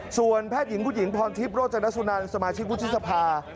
ส่วนแพทย์หญิงผู้หญิงพรทิพย์โรจนัสนานสมาชิกพุทธศพา